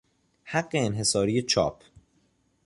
حق انحصاری چاپ